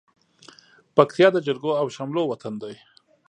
پکتيا د جرګو او شملو وطن دى.